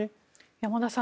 山田さん